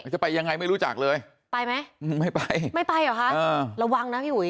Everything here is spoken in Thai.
จะไปยังไงไม่รู้จักเลยไปไหมไม่ไปไม่ไปเหรอคะระวังนะพี่อุ๋ย